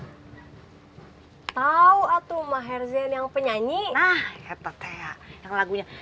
hai tahu atuh maher zen yang penyanyi nah ya teteh yang lagunya